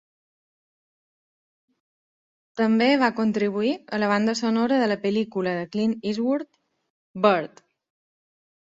També va contribuir a la banda sonora de la pel·lícula de Clint Eastwood "Bird".